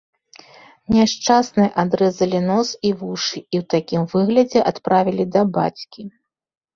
Няшчаснай адрэзалі нос і вушы, і ў такім выглядзе адправілі да бацькі.